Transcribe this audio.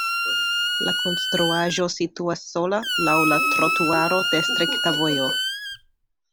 La konstruaĵo situas sola laŭ la trotuaro de strikta vojo.